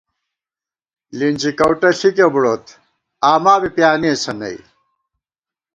لِنچی کؤٹہ ݪِکےبُڑوت، آما بی پیانېسہ نئی